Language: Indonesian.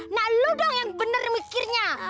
nah lu dong yang bener mikirnya